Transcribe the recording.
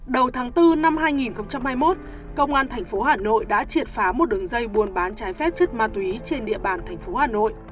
đầu tháng bốn năm hai nghìn hai mươi một công an tp hà nội đã triệt phá một đường dây buôn bán trái phép chất ma túy trên địa bàn tp hà nội